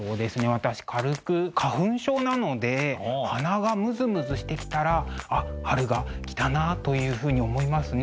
私軽く花粉症なので鼻がムズムズしてきたら「あっ春が来たな」というふうに思いますね。